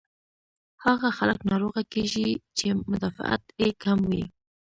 هاغه خلک ناروغه کيږي چې مدافعت ئې کم وي